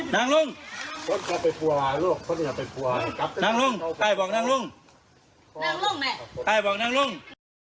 นั่งลุงนั่งลุงใครบอกนั่งลุงใครบอกนั่งลุง